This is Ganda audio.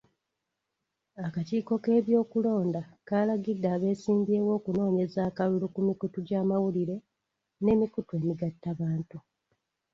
Akakiiko k'ebyokulonda kaalagidde abeesimbyewo okunoonyeza akalulu ku mikutu gy'amawulire n'emikutu emigattabantu..